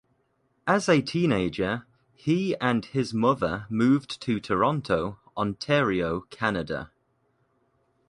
As a teenager, he and his mother moved to Toronto, Ontario, Canada.